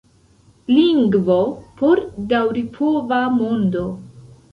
Lingvo por daŭripova mondo.